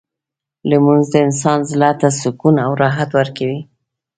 لمونځ د انسان زړه ته سکون او راحت ورکوي.